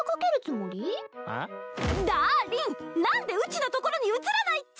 何でうちのところに映らないっちゃ！？